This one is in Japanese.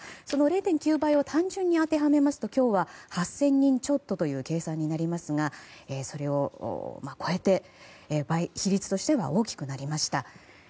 その０．９倍を単純に当てはめると今日は８０００人ちょっとという計算になりますがそれを超えて比率としては大きくなりました。